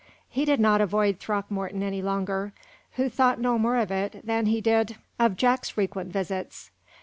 He did not avoid Throckmorton any longer, who thought no more of it than he did of Jack's frequent visits.